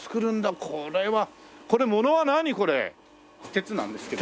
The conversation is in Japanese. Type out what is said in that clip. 鉄なんですけど。